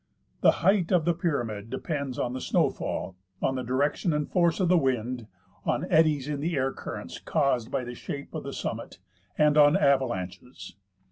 The height of the pyramid depends on the snowfall, on the direction and force of the wind, on eddies in the air currents caused by the shape of the summit, and onavalanches.